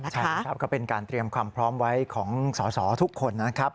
ใช่นะครับก็เป็นการเตรียมความพร้อมไว้ของสอสอทุกคนนะครับ